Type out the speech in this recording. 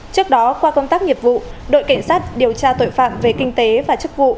trước đó qua công tác nghiệp vụ đội cảnh sát điều tra tội phạm về kinh tế và chức vụ